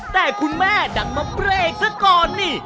แต่คุณแม่ดันมาเบรกซะก่อนนี่